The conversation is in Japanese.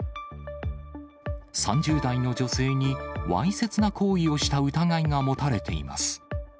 ３０代の女性にわいせつな行為をした疑いが持たれています。